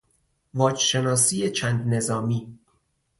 واجشناسی چند نظامی